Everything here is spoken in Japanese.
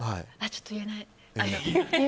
ちょっと言えない。